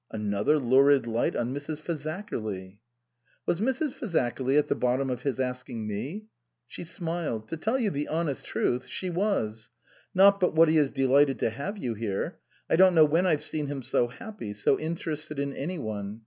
Another lurid light on Mrs. Fazakerly ! "Was Mrs. Fazakerly at the bottom of his asking me ?" She smiled. "To tell you the honest truth, she was. Not but what he is delighted to have you here. I don't know when I've seen him so happy, so interested in any one.